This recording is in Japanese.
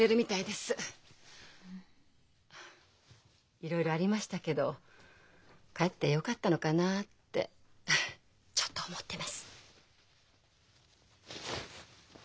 いろいろありましたけどかえってよかったのかなってちょっと思ってます。